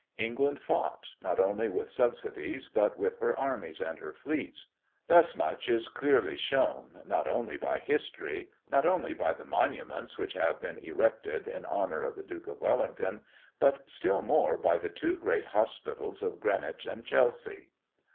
England fought, not only with subsidies, but with her armies and her fleets. Thus much is clearly shown, not only by history, not only by the monuments which have been erected in honor of the Duke of Wellington, but still more by the two great hospitals of Greenwich and Chelsea.